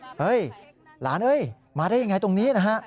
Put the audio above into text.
เฮ้ยหลานมาได้อย่างไรตรงนี้นะฮะ